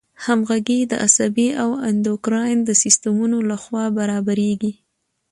همغږي د عصبي او اندوکراین د سیستمونو له خوا برابریږي.